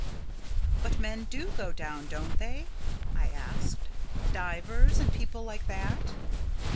"But men do go down, don't they?" I asked—"divers and people like that?"